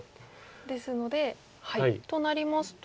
ですのでとなりますと？